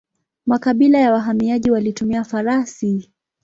Makabila ya wahamiaji walitumia farasi.